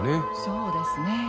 そうですね。